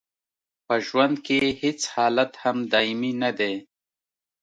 په ژوند کې هیڅ حالت هم دایمي نه دی.